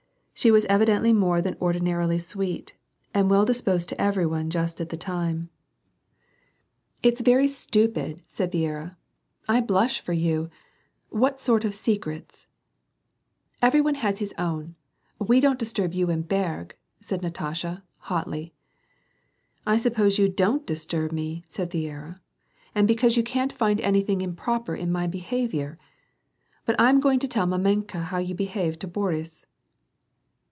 She was evidently more than ordinarily sweet, and well disposed to every one just at the time. ..■J WAR AND PEACE. 68 " It's very stupid," said Viera, " I blush for you. " What sort of 'secrets '"— "Every one has his own. We don't disturb you and Berg," said Natasha, hotly. '•I suppose you don't disturb me," said Viera, "and be cause you can't find anything improper in my behavior. But I am going to tell niamenka how you behave to Boris."